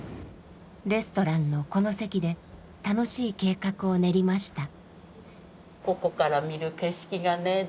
レストランのこの席で楽しい計画を練りました。